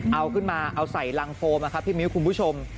เอาขึ้นมาเอาใส่รังโฟมนะครับพี่มิ้วคุณผู้ชม